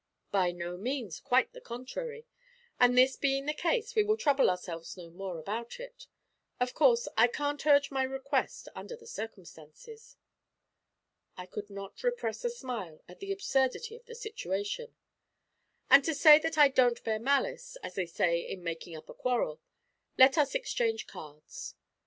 'By no means quite the contrary; and this being the case, we will trouble ourselves no more about it. Of course I can't urge my request under the circumstances.' I could not repress a smile at the absurdity of the situation. 'And to say that I don't bear malice, as they say in making up a quarrel, let us exchange cards.'